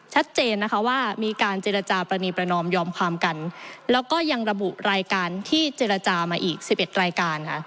ชัดเจนนะคะว่ามีการเจรจาปรณีประนอมยอมความกันแล้วก็ยังระบุรายการที่เจรจามาอีก๑๑รายการค่ะ